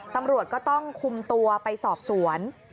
ตำรวจก็ต้องคุมตัวไปสอบสวน